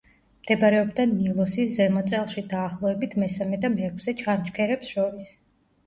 მდებარეობდა ნილოსის ზემო წელში, დაახლოებით მესამე და მეექვსე ჩანჩქერებს შორის.